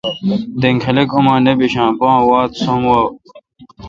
دینگ خلق اماں نہ بیش باں وات سم وا باں